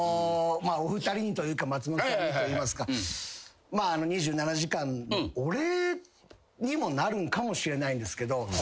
お二人にというか松本さんにといいますか。にもなるんかもしれないんですけど。